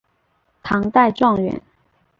唐代状元。